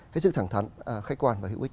cái sự thẳng thắn khách quan và hữu ích